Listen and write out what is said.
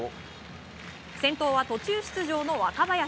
先頭は途中出場の若林。